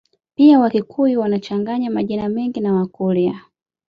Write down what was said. Pia Wakikuyu wanachanganya majina mengi na Wakurya